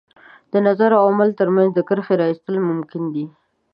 د نظر او عمل تر منځ د کرښې را ایستل ممکن دي.